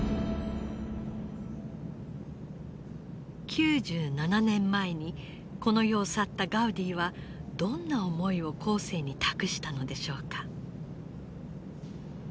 ９７年前にこの世を去ったガウディはどんな思いを後世に託したのでしょうか。